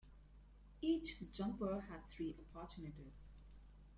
Each jumper had three opportunities.